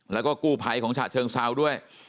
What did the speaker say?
แล้วก็กู้ภัยของฉะเชิงเซาด้วย